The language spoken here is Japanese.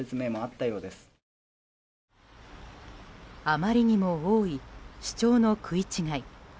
あまりにも多い主張の食い違い。